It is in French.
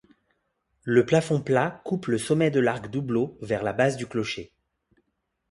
Le plafond plat coupe le sommet de l'arc-doubleau vers la base du clocher.